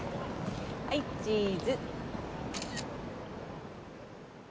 はいチーズ。